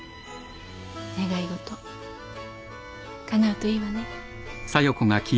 願い事かなうといいわね。